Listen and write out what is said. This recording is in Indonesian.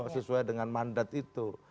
sesuai dengan mandat itu